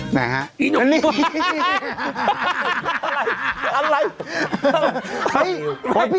ไหนฮะโอ้นี่ฮัฮัฮอะไร